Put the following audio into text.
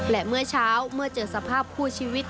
และเมื่อเช้าเมื่อเจอสภาพคู่ชีวิต